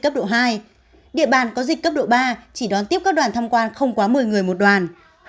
cấp độ hai địa bàn có dịch cấp độ ba chỉ đón tiếp các đoàn tham quan không quá một mươi người một đoàn